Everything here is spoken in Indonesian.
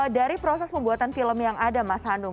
dari proses pembuatan film yang ada mas hanung